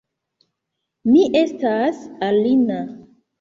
Mi estas Alina